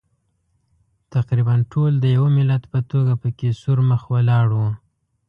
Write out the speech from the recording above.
تقریباً ټول د یوه ملت په توګه پکې سور مخ ولاړ وو.